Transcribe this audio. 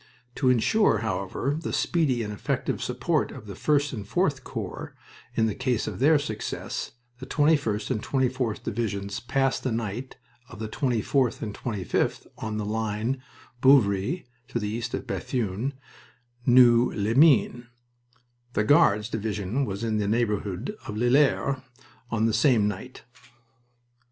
To insure, however, the speedy and effective support of the 1st and 4th Corps in the case of their success, the 21st and 24th Divisions passed the night of the 24th and 25th on the line Beuvry (to the east of Bethune) Noeux les Mines. The Guards Division was in the neighborhood of Lillers on the same night."